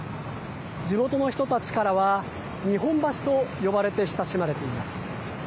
地元の人たちからは日本橋と呼ばれて親しまれています。